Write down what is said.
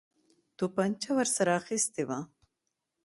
توپنچه ورسره اخیستې وه.